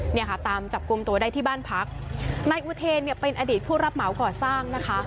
เนี่ยค่ะตามจับกลุ่มตัวได้ที่บ้านพักนายอุเทนเนี่ยเป็นอดีตผู้รับเหมาก่อสร้างนะคะ